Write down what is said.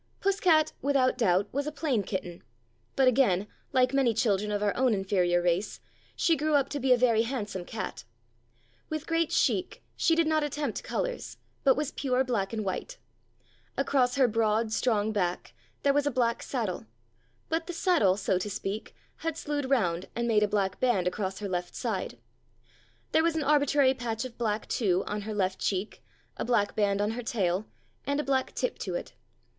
Puss cat, without doubt, was a plain kitten ; but again, like many children of our own inferior race, she grew up to be a very handsome cat. With great chic she did not attempt colours, but was pure black and white. Across her broad, strong back there was a black saddle, but the saddle, so to speak, had slewed round and made a black band across her left side. There was an arbitrary patch of black, too, on her left cheek, a black band on her tail, and a black tip to it.